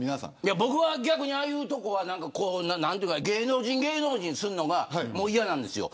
僕は逆に、ああいうところは芸能人、芸能人するのがもう嫌なんですよ。